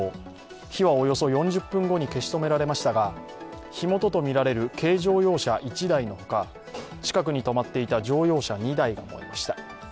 火はおよそ４０分後に消し止められましたが、火元とみられる軽乗用車１台のほか、近くに止まっていた乗用車２台が燃えました。